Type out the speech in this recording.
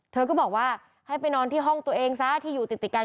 เธอก็บอกว่าให้ไปนอนที่ห้องตัวเองซะที่อยู่ติดกัน